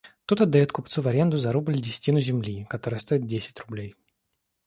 Тут отдают купцу в аренду за рубль десятину земли, которая стоит десять рублей.